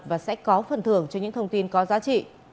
và sẽ có phần thưởng cho những thông tin có giá trị